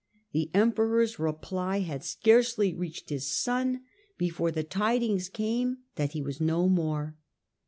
The emperor's reply had scarcely reached his son before the tidings came that he was no more.